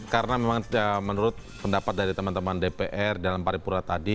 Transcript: karena memang menurut pendapat dari teman teman dpr dalam paripurna tadi